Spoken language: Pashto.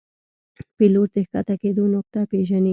پیلوټ د ښکته کېدو نقطه پیژني.